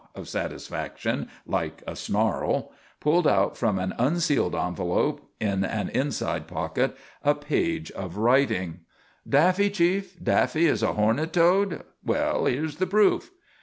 _" of satisfaction like a snarl, pulled out from an unsealed envelope in an inside pocket a page of writing: "Daffy, chief: Daffy, as a horned toad? Well, here's the proof!"